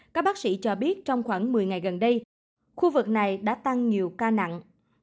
các bác sĩ cho biết trong khoảng một mươi ngày gần đây khu vực này đã tăng nhiều ca nặng